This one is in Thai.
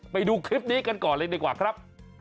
ไปดูคลิปนี้กันก่อนเลยดีกว่าครับ